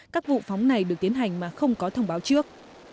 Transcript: các vụ phóng này được tiến hành mà không có thông báo trước